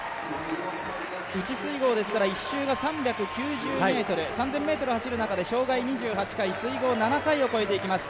内水濠ですから１周が３９０ｍ、３０００ｍ走る中で障害２８回、水濠７回を越えていきます。